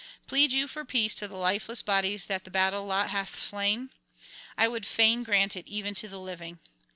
Plead you for peace to the lifeless bodies that the battle lot hath slain? I would fain grant it even to the living.